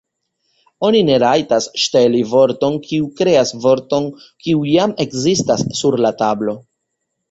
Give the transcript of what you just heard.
Oni ne rajtas ŝteli vorton kiu kreas vorton kiu jam ekzistas sur la tablo.